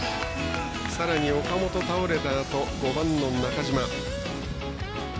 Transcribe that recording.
さらに、岡本倒れたあと５番の中島。